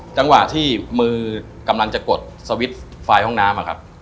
จังหวะที่มือกำลังจะกดสวิตช์ไฟล์ห้องน้ำอะครับ